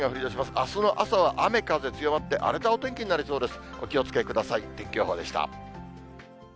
あすの朝は雨風強まって、荒れたお天気になりそうです。